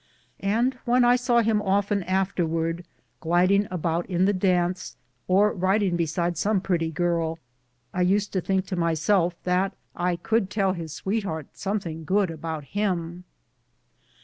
And when I saw him often afterwards gliding about in the dance, or riding beside some pretty girl, I used to think to myself that I could tell his sweetheart something good about him.